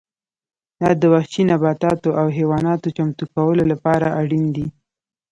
دا د وحشي نباتاتو او حیواناتو چمتو کولو لپاره اړین دي